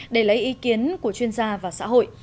để lấy ý kiến của chuyên gia và xã hội